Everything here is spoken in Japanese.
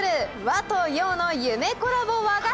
和と洋の夢コラボ和菓子」